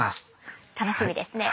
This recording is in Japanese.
楽しみですね。